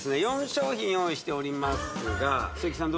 ４商品用意しておりますが鈴木さん